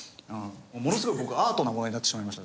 ものすごい僕アートなものになってしまいました。